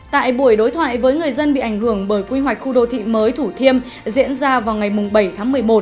tại buổi đối thoại với người dân bị ảnh hưởng bởi quy hoạch khu đô thị mới thủ thiêm diễn ra vào ngày bảy tháng một mươi một